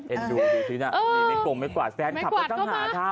เอ็นดวงดูซิน่ะไม่กว่าแฟนคลับก็ต้องหาทำ